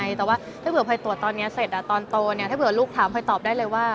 แต่ว่าถ้าเผื่อพลอยตรวจตอนนี้เสร็จตอนโตเนี่ยถ้าเผื่อลูกถามพลอยตอบได้เลยว่า